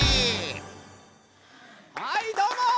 はいどうも！